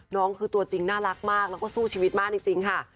น้องคือตัวจริงน่ารักมากแล้วก็สู้ชีวิตมากจริงค่ะ